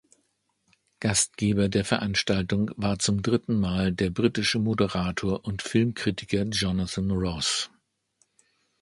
Gastgeber der Veranstaltung war zum dritten Mal der britische Moderator und Filmkritiker Jonathan Ross.